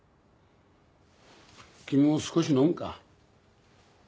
君も少し飲むか？